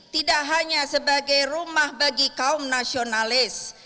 tidak hanya sebagai rumah bagi kaum nasionalis